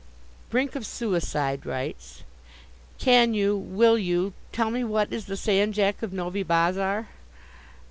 "Brink of Suicide" writes: Can you, will you, tell me what is the Sanjak of Novi Bazar?